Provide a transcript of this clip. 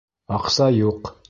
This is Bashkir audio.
Аҡса юҡ.